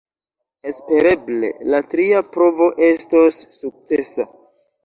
Espereble la tria provo estos sukcesa.